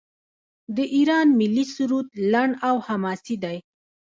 د ایران ملي سرود لنډ او حماسي دی.